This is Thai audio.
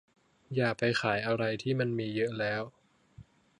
อย่าไปขายอะไรที่มันมีเยอะแล้ว